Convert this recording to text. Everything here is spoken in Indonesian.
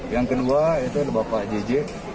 yang kedua itu bapak jj